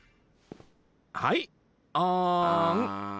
はいあん。